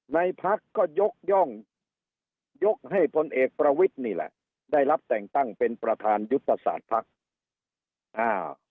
พักก็ยกย่องยกให้พลเอกประวิทย์นี่แหละได้รับแต่งตั้งเป็นประธานยุทธศาสตร์ภักดิ์อ่า